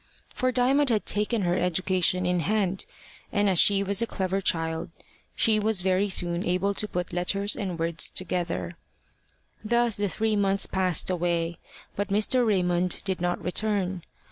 For Diamond had taken her education in hand, and as she was a clever child, she was very soon able to put letters and words together. Thus the three months passed away, but Mr. Raymond did not return.